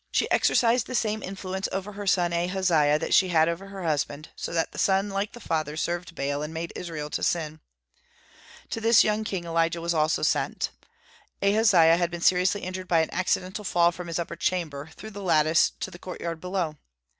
She exercised the same influence over her son Ahaziah that she had over her husband, so that the son like the father served Baal and made Israel to sin. To this young king was Elijah also sent. Ahaziah had been seriously injured by an accidental fall from his upper chamber, through the lattice, to the court yard below.